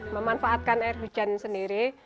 memanfaatkan air hujan sendiri